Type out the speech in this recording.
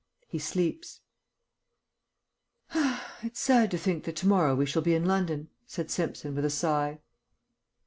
HE SLEEPS "It's sad to think that to morrow we shall be in London," said Simpson, with a sigh.